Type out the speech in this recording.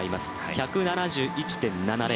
１７１．７０。